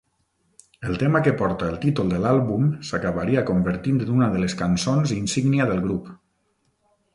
El tema que porta el títol de l'àlbum s'acabaria convertint en una de les cançons insígnia del grup.